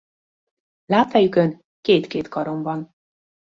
Lábfejükön két-két karom van.